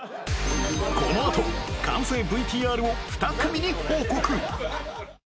このあと完成 ＶＴＲ を２組に報告